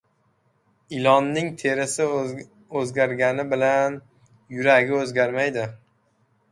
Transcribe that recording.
• Ilonning terisi o‘zgargani bilan yuragi o‘zgarmaydi.